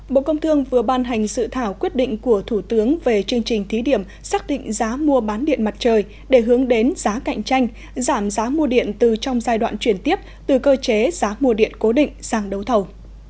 bộ công thương vừa ban hành sự thảo quyết định của thủ tướng về chương trình thí điểm xác định giá mua bán điện mặt trời để hướng đến giá cạnh tranh giảm giá mua điện từ trong giai đoạn chuyển tiếp từ cơ chế giá mua điện cố định sang đấu thầu